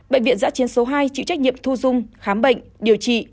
bệnh viện giã chiến số hai chịu trách nhiệm thu dung khám bệnh điều trị